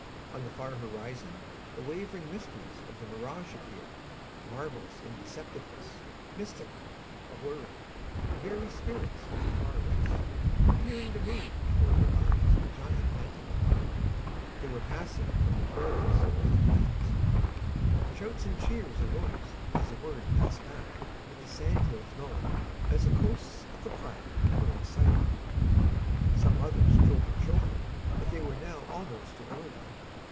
On the far horizon the wavering mysteries of the mirage appeared, marvelous in deceptiveness, mystical, alluring, the very spirits of the Far West, appearing to move before their eyes in giant pantomime. They were passing from the Prairies to the Plains. Shouts and cheers arose as the word passed back that the sand hills known as the Coasts of the Platte were in sight. Some mothers told their children they were now almost to Oregon.